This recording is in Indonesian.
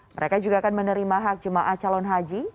mereka juga akan menerima hak jemaah calon haji